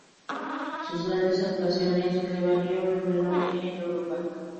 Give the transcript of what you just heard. Sus grandes actuaciones, le valieron un renombre en Europa.